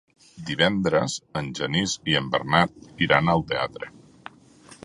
Divendres en Genís i en Bernat iran al teatre.